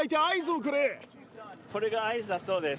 これが合図だそうです。